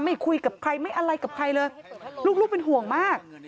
ไม่คุยกับใครไม่อะไรกับใครเลยลูกเป็นห่วงมาก